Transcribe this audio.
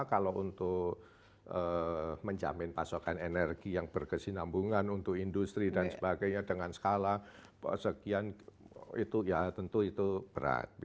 kalau untuk menjamin pasokan energi yang berkesinambungan untuk industri dan sebagainya dengan skala sekian itu ya tentu itu berat